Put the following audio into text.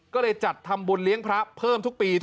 ก็เลยจัดทำบุญเลี้ยงพระเพิ่มทุกปี